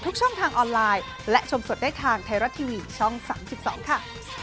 ทุกวันสามสิบสองค่ะ